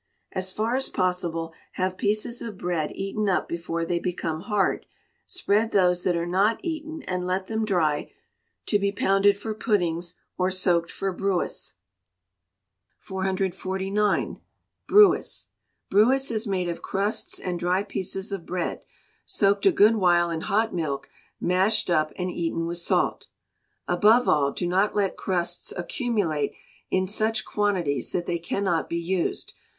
As far as possible, have pieces of bread eaten up before they become hard: spread those that are not eaten, and let them dry, to be pounded for puddings, or soaked for brewis. 449. Brewis. Brewis is made of crusts and dry pieces of bread, soaked a good while in hot milk, mashed up, and eaten with salt. Above all, do not let crusts accumulate in such quantities that they cannot be used.